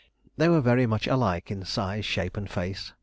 They were very much alike in size, shape, and face.